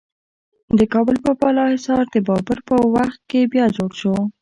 د کابل بالا حصار د بابر په وخت کې بیا جوړ شو